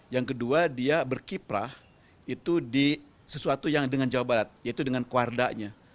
yang kedua dia berkiprah itu di sesuatu yang dengan jawa barat yaitu dengan kuardanya